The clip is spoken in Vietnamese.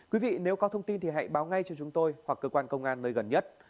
quý vị nếu có thông tin thì hãy báo ngay cho chúng tôi hoặc cơ quan công an nơi gần nhất